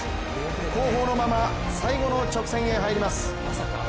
後方のまま最後の直線へ入ります。